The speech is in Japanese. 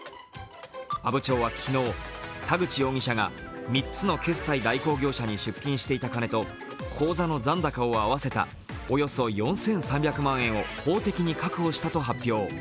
阿武町は昨日、田口容疑者が３つの決済代行業者に出金していた金と口座の残高を合わせたおよそ４３００万円を法的に確保したと発表。